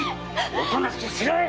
おとなしくしろっ！